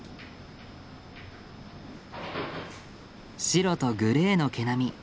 白とグレーの毛並み。